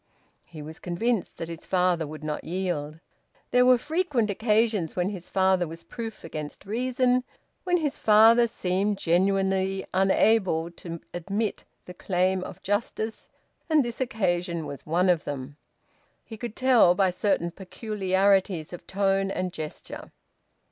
He was convinced that his father would not yield. There were frequent occasions when his father was proof against reason, when his father seemed genuinely unable to admit the claim of justice, and this occasion was one of them. He could tell by certain peculiarities of tone and gesture.